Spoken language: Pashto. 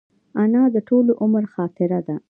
انا د ټول عمر خاطره ده